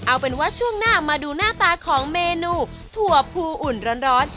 เอาเป็นว่าช่วงหน้ามาดูหน้าตาของเมนูถั่วภูอุ่นร้อน